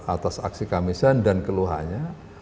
atas aksi kamisan dan keluhannya